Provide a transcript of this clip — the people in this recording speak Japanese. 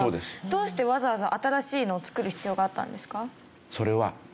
どうしてわざわざ新しいのを作る必要があったんですか？